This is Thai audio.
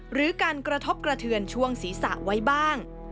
หรือการกระทบกระเทือนช่วงศีรษะไว้บ้าง